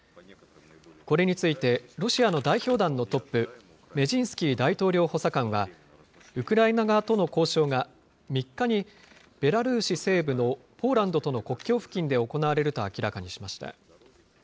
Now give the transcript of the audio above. これについてロシアの代表団のトップ、メジンスキー大統領補佐官は、ウクライナ側との交渉が、３日に、ベラルーシ西部のポーランドとの国境付近で行われると明らかにしました。